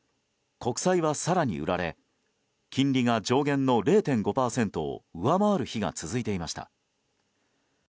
国債は更に売られ金利が上限の０．５％を上回る日が続いていました。